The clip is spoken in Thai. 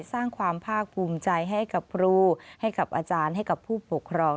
สร้างความภาคภูมิใจให้กับครูให้กับอาจารย์ให้กับผู้ปกครอง